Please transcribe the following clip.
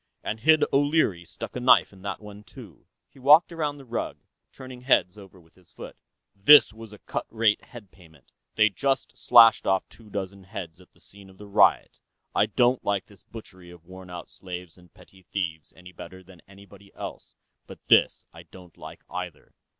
And Hid O'Leary stuck a knife in that one." He walked around the rug, turning heads over with his foot. "This was cut rate head payment; they just slashed off two dozen heads at the scene of the riot. I don't like this butchery of worn out slaves and petty thieves any better than anybody else, but this I don't like either.